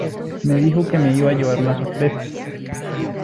Me dijo que me iba a llevar una sorpresa.